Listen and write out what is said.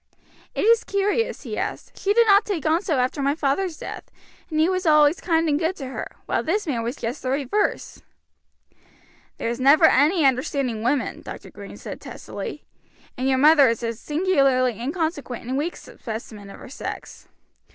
"It is curious," he said, "she did not take on so after my father's death, and he was always kind and good to her, while this man was just the reverse." "There's never any understanding women," Dr. Green said testily, "and your mother is a singularly inconsequent and weak specimen of her sex.